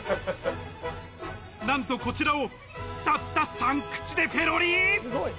何とこちらをたった３口でペロリ。